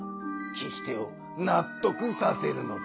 聞き手をなっとくさせるのだ。